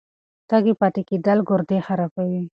تږی پاتې کېدل ګردې خرابوي.